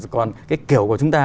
còn cái kiểu của chúng ta